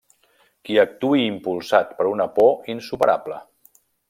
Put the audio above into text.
Qui actuï impulsat per una por insuperable.